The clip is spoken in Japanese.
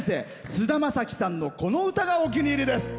菅田将暉さんの、この歌がお気に入りです。